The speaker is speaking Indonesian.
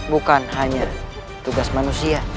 bukan hanya tugas manusia